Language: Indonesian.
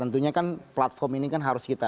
nah tentunya kan platform ini kan harus bergabung